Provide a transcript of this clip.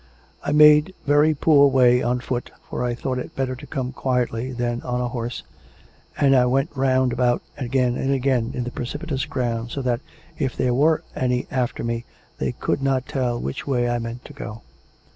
I made very poor way on foot (for I thought it better to come quietly than on a horse), and I went round about again and again in the precipitous ground so that, if there were any after me, they could not tell which way I meant to go.